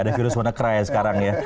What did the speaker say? ada virus want to cry sekarang ya